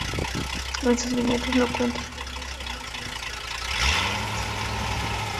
En sus viñetas no cuenta historias o más bien historias completas, sino pedazos.